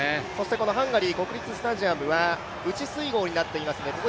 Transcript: このハンガリー国立スタジアムは内水濠になっています。